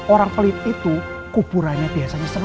orang pelit itu kuburannya biasanya seru